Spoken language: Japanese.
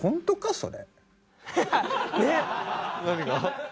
それ。